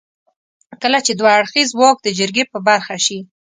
کله چې دوه اړخيز واک د جرګې په برخه شي.